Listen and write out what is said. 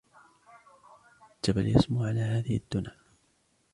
جبل يسمو على هذه الدنا